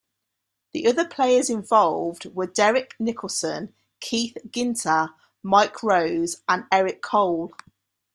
The other players involved were, Derrek Nicholson, Keith Ginter, Mike Rose, and Eric Cole.